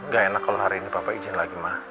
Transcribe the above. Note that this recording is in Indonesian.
gak enak kalau hari ini papa izin lagi mah